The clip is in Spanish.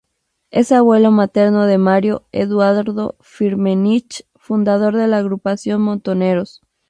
Es abuelo materno de Mario Eduardo Firmenich, fundador de la agrupación Montoneros.